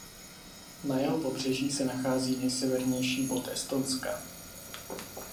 Na jeho pobřeží se nachází nejsevernější bod Estonska.